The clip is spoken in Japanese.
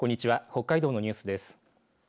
北海道のニュースです。